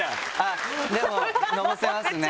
でものぼせますね。